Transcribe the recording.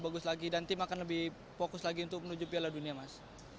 bagus lagi dan tim akan lebih fokus lagi untuk menuju piala dunia mas